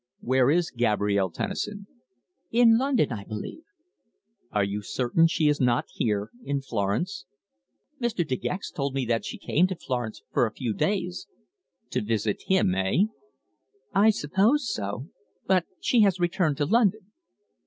"Where is Gabrielle Tennison?" "In London I believe." "Are you certain she is not here, in Florence?" "Mr. De Gex told me that she came to Florence for a few days " "To visit him eh?" "I suppose so. But she has returned to London."